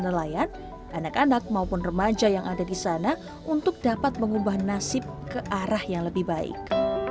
nelayan anak anak maupun remaja yang ada di sana untuk dapat mengubah nasib ke arah yang lebih baik